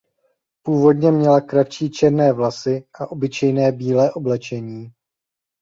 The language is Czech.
Původně měla kratší černé vlasy a obyčejné bílé oblečení.